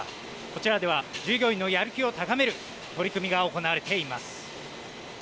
こちらでは従業員のやる気を高める取り組みが行われています。